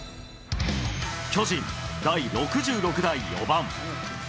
巨人第６６代４番。